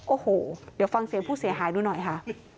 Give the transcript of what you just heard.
โอ้โหเดี๋ยวฟังเสียงผู้เสียหายดูหน่อยค่ะ